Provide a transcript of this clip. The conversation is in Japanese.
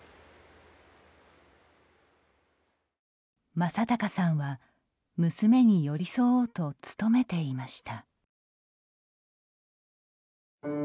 眞孝さんは娘に寄り添おうと努めていました。